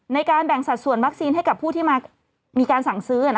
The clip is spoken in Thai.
ในการแบ่งสัดส่วนวัคซีนให้กับผู้ที่มีการสั่งซื้อ